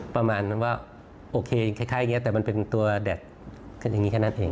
ประมาณว่าโอเคคล้ายอย่างนี้แต่มันเป็นตัวแดดกันอย่างนี้แค่นั้นเอง